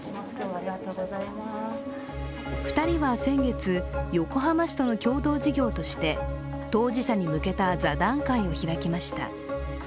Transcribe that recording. ２人は先月、横浜市との共同事業として当事者に向けた座談会を開きました。